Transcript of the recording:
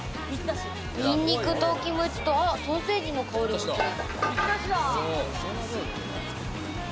ニンニクとキムチとソーセージの香りもする。